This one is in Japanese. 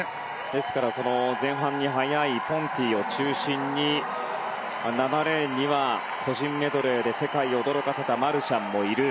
ですから前半に速いポンティを中心に７レーンには個人メドレーで世界を驚かせたマルシャンもいる。